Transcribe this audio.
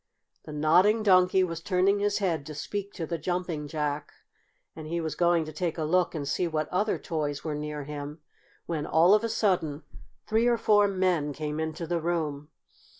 The Nodding Donkey was turning his head to speak to the Jumping Jack, and he was going to take a look and see what other toys were near him, when, all of a sudden, three or four men came into the room.